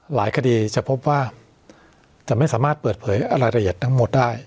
คดีจะพบว่าจะไม่สามารถเปิดเผยรายละเอียดทั้งหมดได้